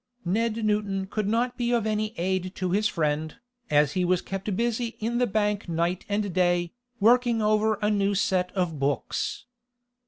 Ned Newton could not be of any aid to his friend, as he was kept busy in the bank night and day, working over a new set of books.